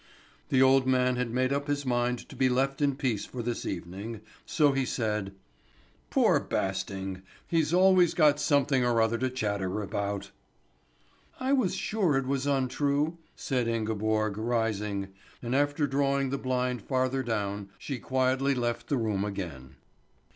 The old man had made up his mind to be left in peace for this evening, so he said: "Poor Basting! He's always got something or other to chatter about." "I was sure it was untrue," said Ingeborg, rising; and after drawing the blind farther down, she quietly left the room again.